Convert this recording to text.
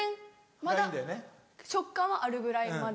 まだ食感はあるぐらいまで。